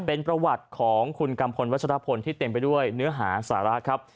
เป็นประวัติของคุณกัมพลวัชรพลที่เต็มไปด้วยเนื้อหาสาระครับ